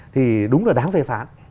thì đúng là đáng phê phán